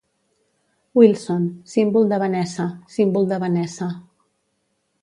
Wilson, símbol de Vanessa, símbol de Vanessa.